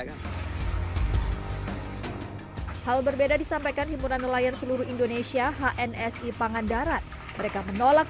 hal berbeda disampaikan himpunan nelayan seluruh indonesia hnsi pangandaran mereka menolak